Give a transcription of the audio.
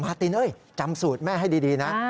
มาตินจำสูตรแม่ให้ดีนะ